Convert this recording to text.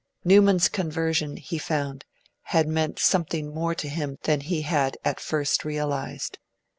Newman's conversion, he found, had meant something more to him than he had first realised.